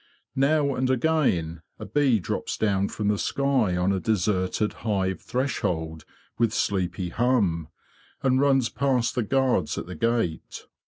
Now and again a bee drops down from the sky on a deserted hive threshold with sleepy hum, and runs past the guards at the gate.